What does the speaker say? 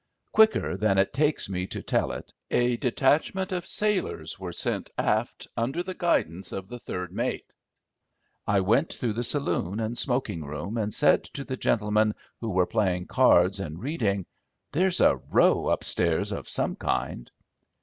Quicker than it takes me to tell it a detachment of sailors were sent aft under the guidance of the third mate. I went through the saloon and smoking room, and said to the gentlemen who were playing cards and reading—"There's a row upstairs of some kind."